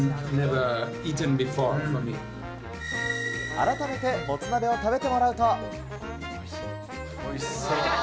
改めてもつ鍋を食べてもらうおいしそう。